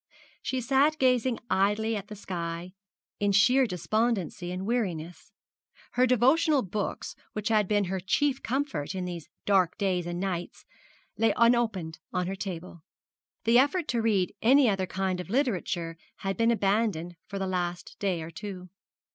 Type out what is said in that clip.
She sat gazing idly at the sky, in sheer despondency and weariness. Her devotional books, which had been her chief comfort in these dark days and nights, lay unopened on her table. The effort to read any other kind of literature had been abandoned for the last day or two.